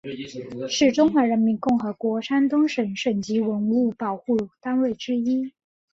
是中华人民共和国山东省省级文物保护单位之一。